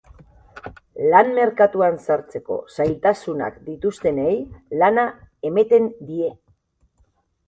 Lan merkatuan sartzeko zailtasunak dituztenei lana emeten die.